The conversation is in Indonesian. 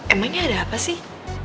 emangnya ada apa sih